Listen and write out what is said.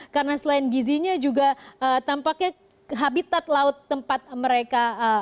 karena selain gizinya juga tampaknya habitat laut tempat mereka